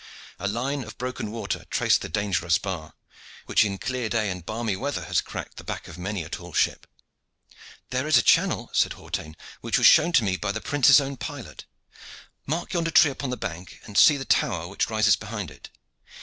A line of broken water traced the dangerous bar, which in clear day and balmy weather has cracked the back of many a tall ship. "There is a channel," said Hawtayne, "which was shown to me by the Prince's own pilot. Mark yonder tree upon the bank, and see the tower which rises behind it.